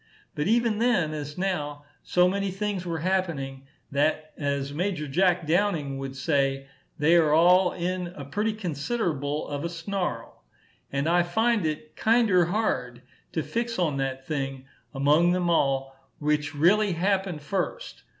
But even then, as now, so many things were happening, that as Major Jack Downing would say, they are all in "a pretty considerable of a snarl," and I find it "kinder hard" to fix on that thing, among them all, which really happened first.